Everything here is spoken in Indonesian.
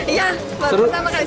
iya baru pertama kali